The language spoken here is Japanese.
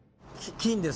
金です。